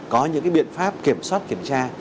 có những biện pháp kiểm soát kiểm tra